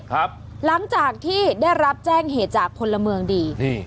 หลังจากที่ได้รับแจ้งเหตุจากพลเมืองดีนี่